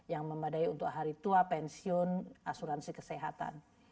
yang memadai untuk hari tua pensiun asuransi kesehatan